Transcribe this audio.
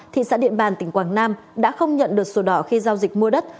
thị xã điện bàn tỉnh quảng nam đã không nhận được sổ đỏ khi giao dịch mua đất